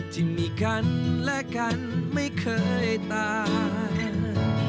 ที่มีกันและกันไม่เคยต่าง